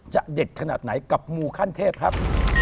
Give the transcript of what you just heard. เด็ดขนาดไหนกับมูขั้นเทพครับ